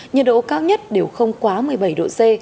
nhiệt độ cao nhất đều không quá một mươi bảy độ c